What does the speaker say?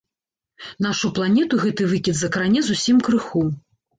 Нашу планету гэты выкід закране зусім крыху.